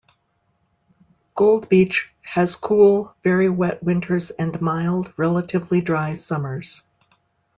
Gold Beach has cool, very wet winters and mild, relatively dry summers.